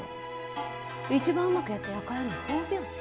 一番うまくやった輩には褒美を遣わす。